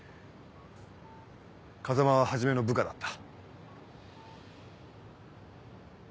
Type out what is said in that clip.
風真は始の部下だった。